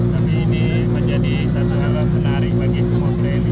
tapi ini menjadi satu hal menarik bagi semua brand